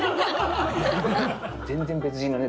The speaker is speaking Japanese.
全然別人のね